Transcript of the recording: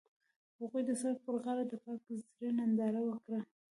هغوی د سړک پر غاړه د پاک زړه ننداره وکړه.